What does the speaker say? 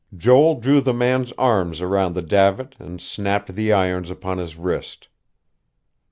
Joel drew the man's arms around the davit, and snapped the irons upon his wrist.